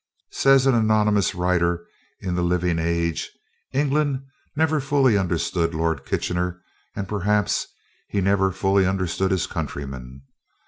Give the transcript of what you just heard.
Says an anonymous writer in The Living Age: "England never fully understood Lord Kitchener, and perhaps he never fully understood his countrymen.